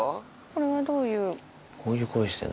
これはどういう？